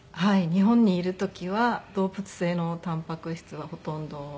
日本にいる時は動物性のたんぱく質はほとんどお魚。